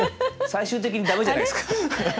最終的に駄目じゃないですか。